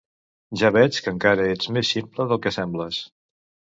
Ja veig que encara ets més ximple del que sembles!